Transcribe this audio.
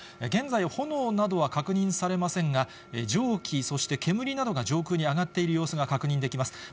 現在、炎などは確認されませんが、蒸気、そして煙などが上空に上がっている様子が確認できます。